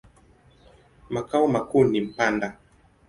Makao makuu ni Mpanda.